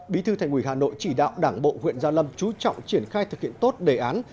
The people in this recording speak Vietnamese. bí thư thành ủy hà nội chỉ đạo đảng bộ huyện gia lâm chú trọng triển khai thực hiện tốt đề án